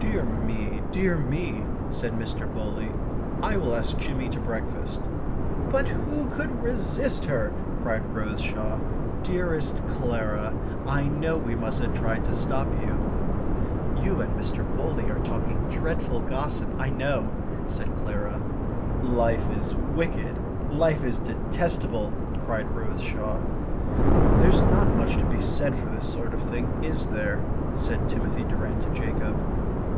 "Dear me, dear me," said Mr. Bowley. "I will ask Jimmy to breakfast." "But who could resist her?" cried Rose Shaw. "Dearest Clara I know we mustn't try to stop you..." "You and Mr. Bowley are talking dreadful gossip, I know," said Clara. "Life is wicked life is detestable!" cried Rose Shaw. "There's not much to be said for this sort of thing, is there?" said Timothy Durrant to Jacob.